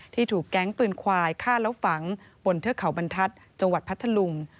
ถูกแก๊งปืนควายฆ่าแล้วฝังบนเทือกเขาบรรทัศน์จังหวัดพัทธลุง